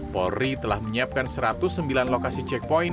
polri telah menyiapkan satu ratus sembilan lokasi checkpoint